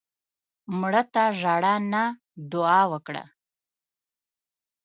مړه ته ژړا نه، دعا وکړه